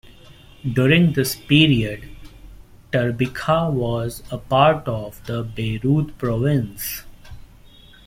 During this period Tarbikha was a part of the Beirut province.